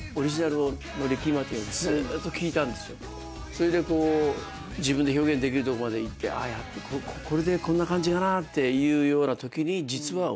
それでこう自分で表現できるとこまでいってこれでこんな感じかなっていうようなときに。